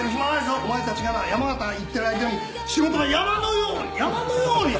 お前達がな山形に行ってる間に仕事が山のように山のように残ってるんだよな！